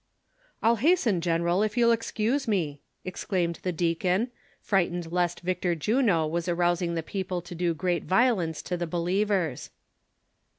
"I'll hasten, general, if you'll excuse me," exclaimed the deacon, frightened lest Victor Juno was arousing the people to do great violence to the believers.